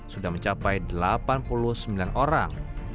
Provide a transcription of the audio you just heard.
sudah mencapai delapan puluh sembilan orang